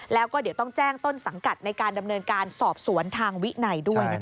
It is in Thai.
แล้วก็เดี๋ยวต้องแจ้งต้นสังกัดในการดำเนินการสอบสวนทางวินัยด้วยนะคะ